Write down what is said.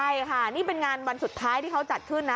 ใช่ค่ะนี่เป็นงานวันสุดท้ายที่เขาจัดขึ้นนะ